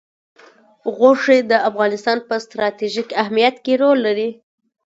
غوښې د افغانستان په ستراتیژیک اهمیت کې رول لري.